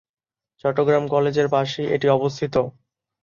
চট্টগ্রাম কলেজের পাশেই এটি অবস্থিত।